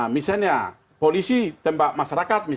misalnya polisi tembak masyarakat